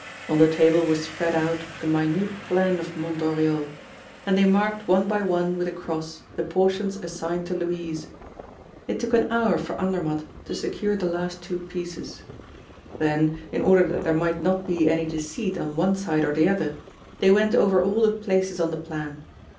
On the table was spread out a minute plan of Mont Oriol; and they marked one by one with a cross the portions assigned to Louise. It took an hour for Andermatt to secure the last two pieces. Then, in order that there might not be any deceit on one side or the other, they went over all the places on the plan.